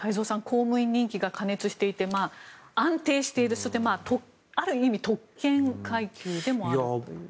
公務員人気が過熱していて安定している、そしてある意味特権階級でもあるという。